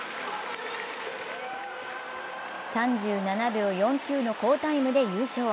３７秒４９の好タイムで優勝。